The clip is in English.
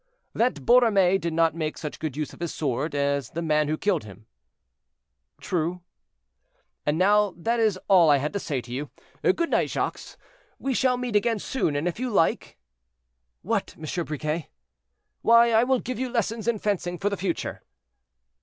"That Borromée did not make such good use of his sword as the man who killed him."—"True." "And now that is all I had to say to you. Good night, Jacques; we shall meet again soon, and if you like—" "What, Monsieur Briquet?" "Why, I will give you lessons in fencing for the future."